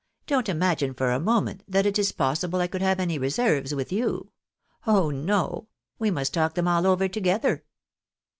Don't imagine for a moment that it is possible I could have any reserves with you ! Oh no ! we must talk them all over together."